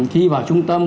khi vào trung tâm